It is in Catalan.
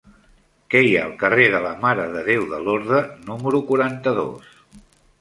Què hi ha al carrer de la Mare de Déu de Lorda número quaranta-dos?